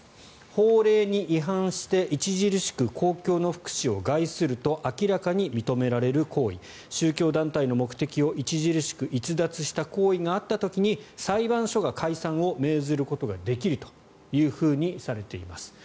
法令に違反して著しく公共の福祉を害すると明らかに認められる行為宗教団体の目的を著しく逸脱した行為があった時に裁判所が解散を命ずることができるとされています。